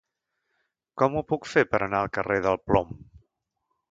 Com ho puc fer per anar al carrer del Plom?